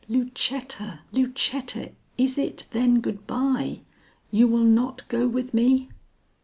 "Lucetta, Lucetta, is it then good by? You will not go with me?"